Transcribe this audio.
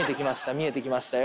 見えてきましたよ。